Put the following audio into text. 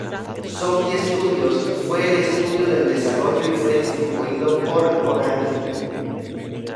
Zombie Studios fue el estudio del desarrollo y fue distribuido por Konami.